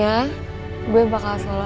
ada hai sekarang